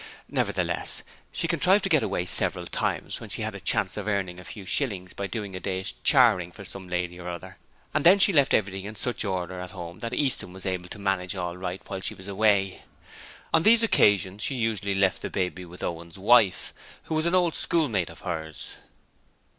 Nevertheless, she contrived to get away several times when she had a chance of earning a few shillings by doing a day's charing for some lady or other, and then she left everything in such order at home that Easton was able to manage all right while she was away. On these occasions, she usually left the baby with Owen's wife, who was an old schoolmate of hers.